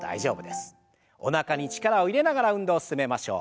おなかに力を入れながら運動進めましょう。